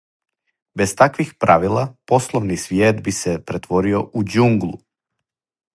Без таквих правила, пословни свијет би се претворио у ђунглу.